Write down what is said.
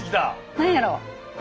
何やろ？